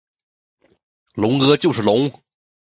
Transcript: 龙哥就是龙！